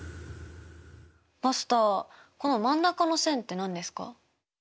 マスターこの真ん中の線って何ですか？